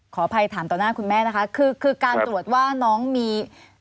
ขออภัยถามต่อหน้าคุณแม่นะคะคือคือการตรวจว่าน้องมี